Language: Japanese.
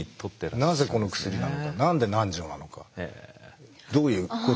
なぜこの薬なのか何で何錠なのかどういうこと。